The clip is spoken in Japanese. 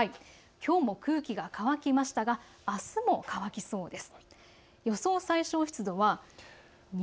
きょうも空気が乾きましたが、あすも乾きそうです。